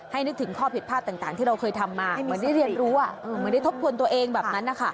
นึกถึงข้อผิดพลาดต่างที่เราเคยทำมาเหมือนได้เรียนรู้เหมือนได้ทบทวนตัวเองแบบนั้นนะคะ